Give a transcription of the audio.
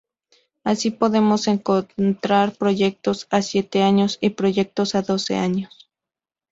Así podemos encontrar "Proyectos a siete años" y "Proyectos a doce años".